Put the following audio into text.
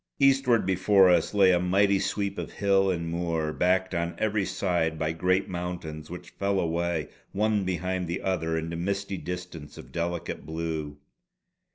Eastward before us lay a mighty sweep of hill and moor, backed on every side by great mountains which fell away one behind the other into misty distance of delicate blue.